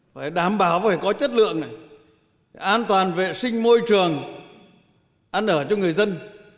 phải đảm bảo phải có chất lượng này an toàn vệ sinh môi trường ăn ở cho người dân